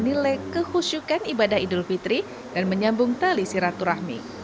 jadi kita harus menilai kekusyukan ibadah idul fitri dan menyambung tali siratu rahmi